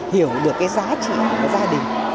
hiểu được cái giá trị của gia đình